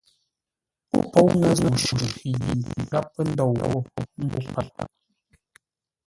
Ó póu ŋə́ zə̂u shʉʼʉ yi gháp pə́ ndôu ghô mbô páp.